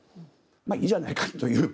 まあいいじゃないかという。